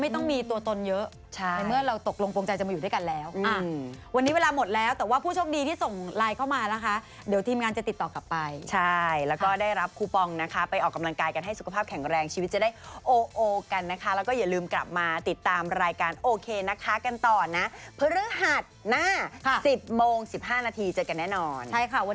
ทำไมไม่ลบออกทีมงาน